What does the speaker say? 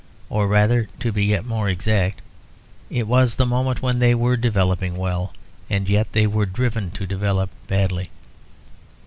Or rather, to be yet more exact, it was the moment when they were developing well, and yet they were driven to develop badly.